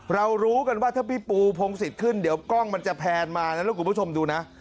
รู้กันว่าถ้าพี่ปูพงศิษย์ขึ้นเดี๋ยวกล้องมันจะแพนมานะลูกคุณผู้ชมดูนะ